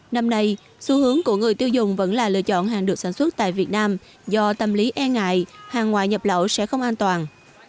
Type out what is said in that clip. năm nay xu hướng của người tiêu dùng vẫn là lựa chọn hàng được sản xuất tại việt nam do tâm lý e ngại hàng ngoại nhập lậu sẽ không an toàn